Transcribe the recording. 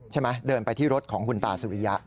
ใช่มั้ยเดินไปที่รถของคุณตาสุริยะ